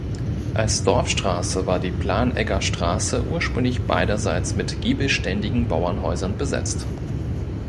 Als Dorfstraße war die Planegger Straße ursprünglich beiderseits mit giebelständigen Bauernhäusern besetzt.